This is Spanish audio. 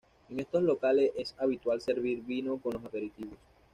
En estos locales es habitual servir vino con los aperitivos.